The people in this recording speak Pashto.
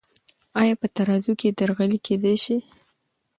آیا په ترازو کې درغلي کیدی سی؟